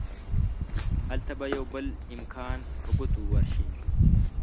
هلته به يو بل امکان په ګوتو ورشي.